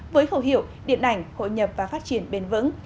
với khẩu hiệu điện ảnh hội nhập và phát triển bền vững